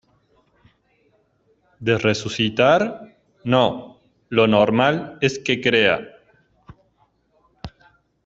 de resucitar. no . lo normal es que crea